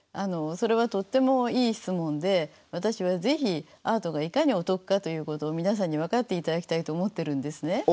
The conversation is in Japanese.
それはとってもいい質問で私は是非アートがいかにお得かということを皆さんに分かっていただきたいと思ってるんですね。